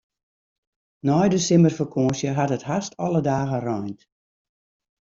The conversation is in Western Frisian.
Nei de simmerfakânsje hat it hast alle dagen reind.